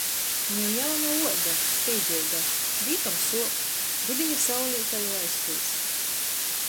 Niu jauna uoda, speideiga. Vītom suop. Rudiņa saulē tai i laistuos.